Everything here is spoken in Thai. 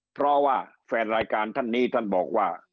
เพราะว่าแฟนรายการท่านนี้ท่านบอกว่า